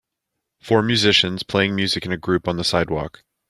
Four musicians playing music in a group on the sidewalk.